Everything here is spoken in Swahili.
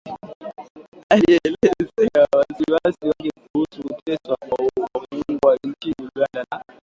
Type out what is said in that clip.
alielezea wasiwasi wake kuhusu kuteswa kwa wafungwa nchini Uganda na